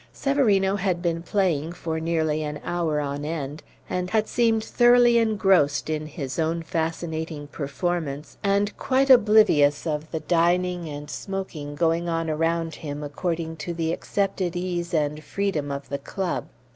Severino had been playing for nearly an hour on end, had seemed thoroughly engrossed in his own fascinating performance, and quite oblivious of the dining and smoking going on around him according to the accepted ease and freedom of the club.